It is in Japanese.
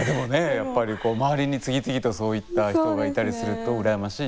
やっぱりこう周りに次々とそういった人がいたりすると羨ましいという。